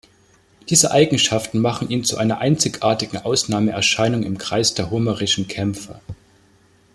Diese Eigenschaften machen ihn zu einer einzigartigen Ausnahmeerscheinung im Kreis der homerischen Kämpfer.